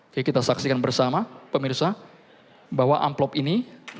oke kita saksikan bersama pemirsa bahwa amplop ini